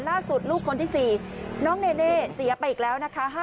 ลูกคนที่๔น้องเนเน่เสียไปอีกแล้วนะคะ